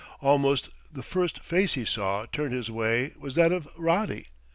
Almost the first face he saw turned his way was that of Roddy.